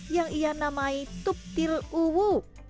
yang ia namai tuktil uwu